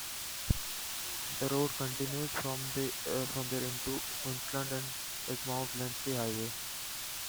The road continues from there into Queensland as Mount Lindesay Highway.